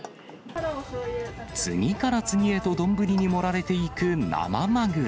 次から次へと丼に盛られていく生マグロ。